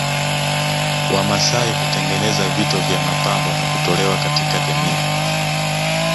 Wamasai hutengeneza vito vya mapambo na kutolewa katika jamii